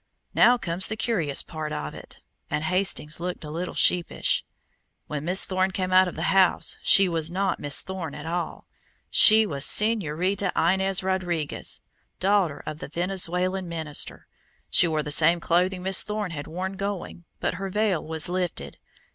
"Now comes the curious part of it," and Hastings looked a little sheepish. "When Miss Thorne came out of the house she was not Miss Thorne at all she was Señorita Inez Rodriguez, daughter of the Venezuelan minister. She wore the same clothing Miss Thorne had worn going, but her veil was lifted.